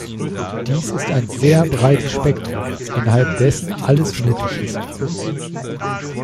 Dies ist ein sehr breites Spektrum, innerhalb dessen alles möglich ist.